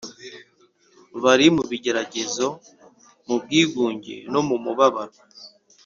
bari mu bigeragezo, mu bwigunge no mu mubabaro